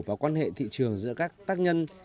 và quan hệ thị trường giữa các tác nhân